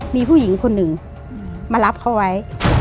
มีผู้หญิงคนหนึ่งมารับเขาไว้